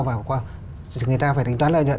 và người ta phải tính toán lợi nhuận